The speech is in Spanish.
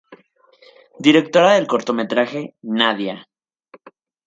Directora del cortometraje "Nadia".